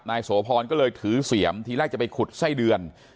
โสพรก็เลยถือเสียมทีแรกจะไปขุดไส้เดือน